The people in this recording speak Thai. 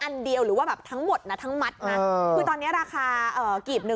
เนี่ยเท่ากับ